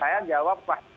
saya jawab pak